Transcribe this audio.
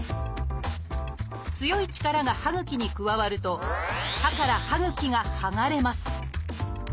強い力が歯ぐきに加わると歯から歯ぐきが剥がれます。